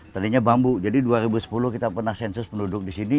tadinya bambu jadi dua ribu sepuluh kita pernah sensus penduduk di sini